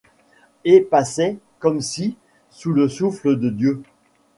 Et passait, -comme si, sous le souffle de Dieu